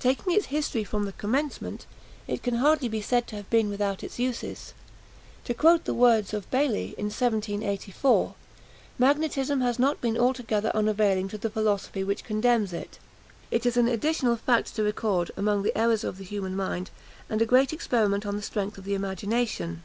Taking its history from the commencement, it can hardly be said to have been without its uses. To quote the words of Bailly, in 1784, "Magnetism has not been altogether unavailing to the philosophy which condemns it: it is an additional fact to record among the errors of the human mind, and a great experiment on the strength of the imagination."